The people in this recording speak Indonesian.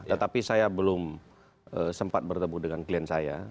tetapi saya belum sempat bertemu dengan klien saya